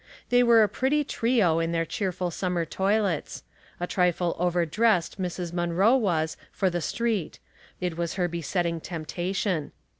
They were a pretty trio in their cheerful summer toilets. A trifle overdressed Mrs Mun roe was for the street. It was her besetting temptation.